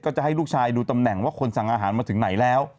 จะให้ลูกชายดูตำแหน่งว่าคนสั่งอาหารมาถึงไหนแล้ว